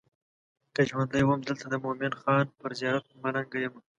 که ژوندی وم دلته د مومن خان پر زیارت ملنګه یم.